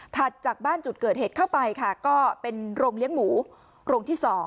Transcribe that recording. จากบ้านจุดเกิดเหตุเข้าไปค่ะก็เป็นโรงเลี้ยงหมูโรงที่๒